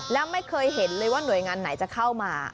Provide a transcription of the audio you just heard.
แล้วไม่เคยเห็นเลยว่าหน่วยงานไหนจะเข้ามา